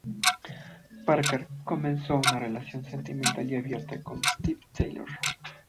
Parker comenzó una relación sentimental y abierta con Steve Taylor.